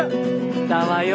きたわよ。